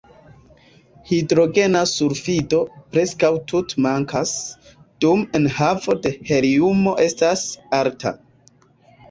Hidrogena sulfido preskaŭ tute mankas, dum enhavo de heliumo estas alta.